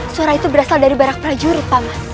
suara itu berasal dari barak prajurit paman